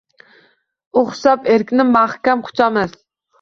O’xshab erkni mahkam quchamiz.